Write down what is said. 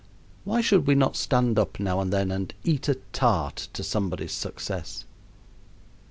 Why should we not stand up now and then and eat a tart to somebody's success?